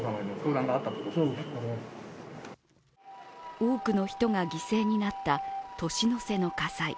多くの人が犠牲になった年の瀬の火災。